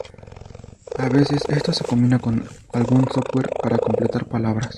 A veces esto se combina con algún software para completar palabras.